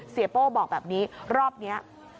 โป้บอกแบบนี้รอบนี้